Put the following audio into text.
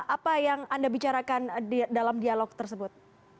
apa yang anda bicarakan dalam dialog tersebut